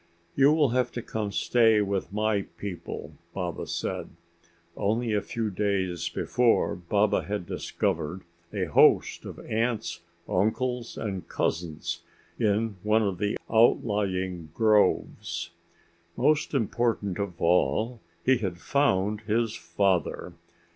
"You will have to come stay with my people," Baba said. Only a few days before Baba had discovered a host of aunts, uncles and cousins in one of the outlying groves. Most important of all he had found his father.